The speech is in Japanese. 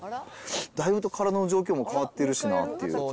だいぶ体の状況も変わってるしなっていう。